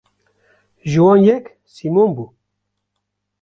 Ji wan yek Sîmon bû.